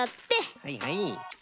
はいはい。